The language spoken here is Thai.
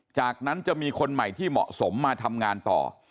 จากนั้นจะมีคนใหม่ที่เหมาะสมมาทำงานต่อ